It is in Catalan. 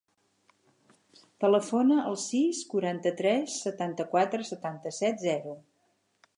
Telefona al sis, quaranta-tres, setanta-quatre, setanta-set, zero.